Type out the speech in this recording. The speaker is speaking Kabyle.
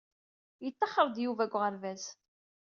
Yettaxer-d Yuba seg uɣerbaz.